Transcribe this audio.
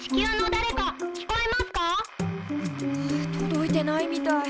届いてないみたい。